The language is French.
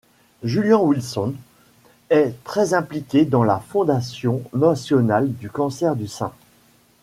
Julian Wilson est très impliqué dans la fondation national du cancer du sein.